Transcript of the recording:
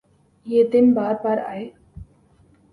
یہ دن بار بارآۓ